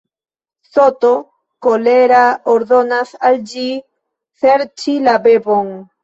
Soto, kolera, ordonas al ĝi serĉi la bebon.